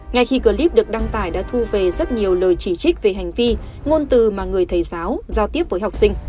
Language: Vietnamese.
ngay khi clip được đăng tải đã thu về rất nhiều lời chỉ trích về hành vi ngôn từ mà người thầy giáo giao tiếp với học sinh